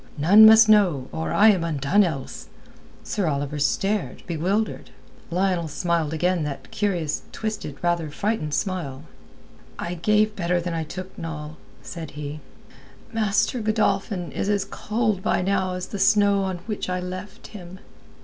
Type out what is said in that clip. None must know, or I am undone else." Sir Oliver stared, bewildered. Lionel smiled again that curious twisted, rather frightened smile. "I gave better than I took, Noll," said he. "Master Godolphin is as cold by now as the snow on which I left him."